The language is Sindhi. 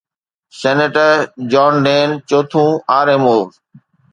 سينيٽر جان ڊين چوٿون R-Mo